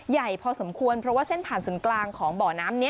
ใหญ่พอสมควรเพราะว่าเส้นผ่านศูนย์กลางของบ่อน้ำนี้